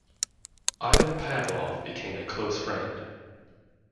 Ivan Pavlov became a close friend.